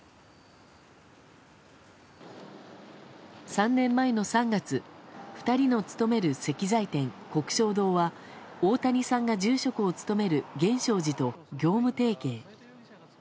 ３年前の３月２人の勤める石材店、鵠祥堂は大谷さんが住職を務める源証寺と業務提携。